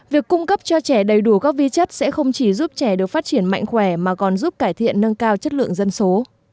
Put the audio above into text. việc cung cấp cho trẻ đầy đủ các vi chất sẽ không chỉ giúp trẻ được phát triển mạnh khỏe mà còn giúp cải thiện nâng cao chất lượng dân số